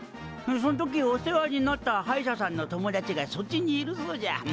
そん時お世話になった歯医者さんの友達がそっちにいるそうじゃ。